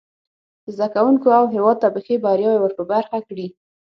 زده کوونکو او هیواد ته به ښې بریاوې ور په برخه کړي.